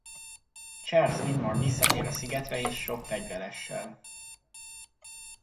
Charles Widmore visszatér a szigetre és sok fegyveressel.